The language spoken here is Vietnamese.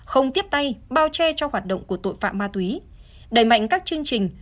không tiếp tay bao che cho hoạt động của tội phạm ma túy đẩy mạnh các chương trình